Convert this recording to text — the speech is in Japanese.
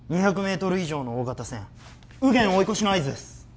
２００ｍ以上の大型船右舷追い越しの合図です